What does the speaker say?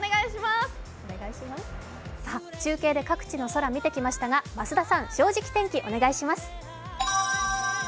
中継で各地の空を見てきましたが増田さん、「正直天気」、お願いします。